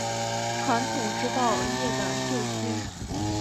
传统制造业的救星